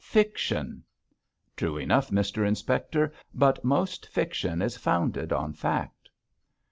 Fiction.' 'True enough, Mr Inspector, but most fiction is founded on fact.'